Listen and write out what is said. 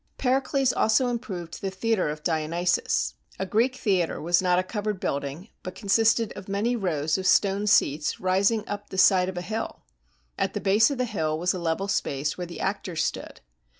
Pericles also improved the theater of Dionysus. A Greek theater was not a covered building, but con sisted of many rows of stone seats rising up the side of a hill. At the base of the hill was a level space where the actors stood.